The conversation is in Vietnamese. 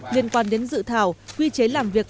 liên quan đến dự thảo quy chế làm việc